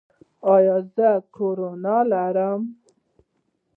ایا زه کرونا لرم؟